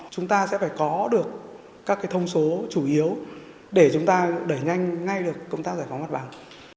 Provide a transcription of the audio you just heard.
chúng ta sẽ phải có được các thông số chủ yếu để chúng ta đẩy nhanh ngay được công tác giải phóng mặt bằng